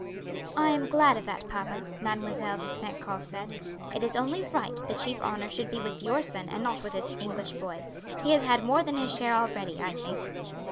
"I am glad of that, papa," Mademoiselle de St. Caux said; "it is only right the chief honour should be with your son and not with this English boy. He has had more than his share already, I think."